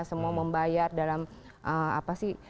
semua membayar dalam apa sih